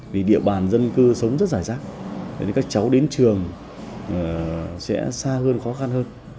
vì địa bàn dân cư sống rất rải rác nên các cháu đến trường sẽ xa hơn khó khăn hơn